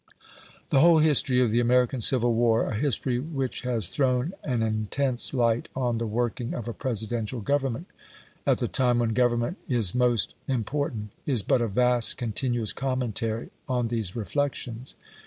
The whole history of the American Civil War a history which has thrown an intense light on the working of a Presidential government at the time when government is most important is but a vast continuous commentary on these reflections.